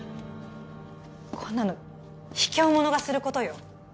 こんなの卑怯者がすることよ